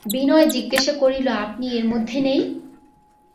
বিনয় জিজ্ঞাসা করিল, আপনি এর মধ্যে নেই?